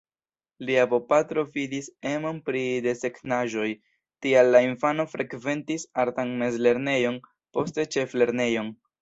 Lia bopatro vidis emon pri desegnaĵoj, tial la infano frekventis artan mezlernejon, poste ĉeflernejon.